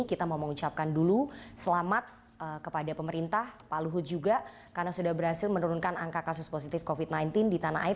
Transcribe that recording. kita mau mengucapkan dulu selamat kepada pemerintah pak luhut juga karena sudah berhasil menurunkan angka kasus positif covid sembilan belas di tanah air